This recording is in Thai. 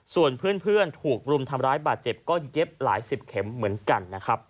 ส่วนเพื่อนถูกรุมทำร้ายบาดเจ็บก็เย็บหลายสิบเข็มเหมือนกันนะครับ